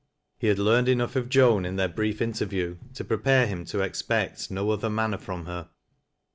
He had learned enough of Joan, in their brief inter view, to prepare him to expect no other manner from her.